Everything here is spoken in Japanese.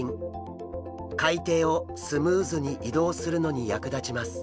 海底をスムーズに移動するのに役立ちます。